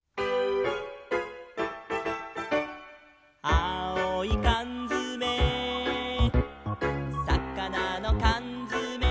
「あおいかんづめ」「さかなのかんづめ」